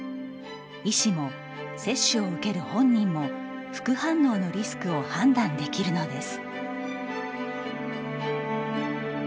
医師も接種を受ける本人も副反応のリスクを判断できるのです。